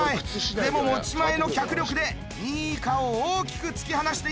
でも持ち前の脚力で２位以下を大きく突き放しています。